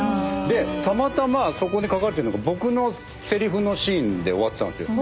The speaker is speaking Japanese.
でたまたまそこに書かれてんのが僕のセリフのシーンで終わってたんですよ。